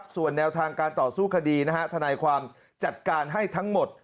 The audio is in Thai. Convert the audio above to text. ส่วนแนวทางการต่อสู้คดีนะฮะทนายความจัดการให้ทั้งหมด